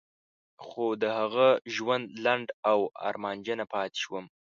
خو د هغه ژوند لنډ و او ارمانجنه پاتې شوم.